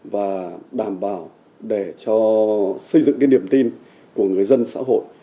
và đảm bảo để cho xây dựng điểm tin của người dân xã hội